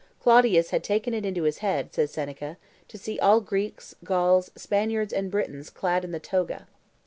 "Claudius had taken it into his head," says Seneca, "to see all Greeks, Gauls, Spaniards, and Britons clad in the toga."